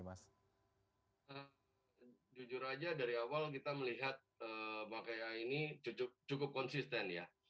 jujur saja dari awal kita melihat mark ai ini cukup konsisten ya